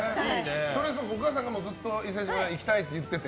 それ、お母さんが伊勢志摩に行きたいって言ってて？